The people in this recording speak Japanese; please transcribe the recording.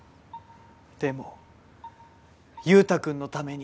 でも佑太くんのために。